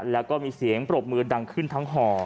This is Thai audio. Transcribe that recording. แล้วก็มีเสียงปรบมือดังขึ้นทั้งห่อ